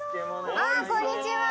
こんにちは。